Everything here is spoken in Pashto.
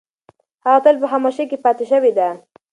هغه تل په خاموشۍ کې پاتې شوې ده.